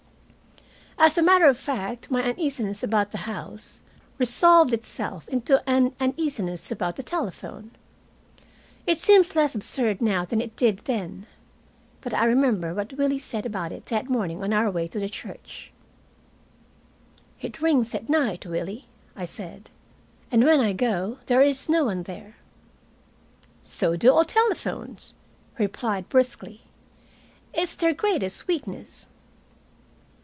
As a matter of fact, my uneasiness about the house resolved itself into an uneasiness about the telephone. It seems less absurd now than it did then. But I remember what Willie said about it that morning on our way to the church. "It rings at night, Willie," I said. "And when I go there is no one there." "So do all telephones," he replied briskly. "It's their greatest weakness."